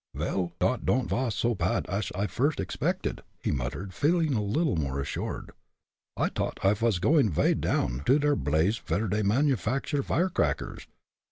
"Vel, dot don'd vas so pad ash I first expected," he muttered, feeling a little more assured. "I t'ought I vas goin' vay down to der blace vere dey manufacture fire crackers.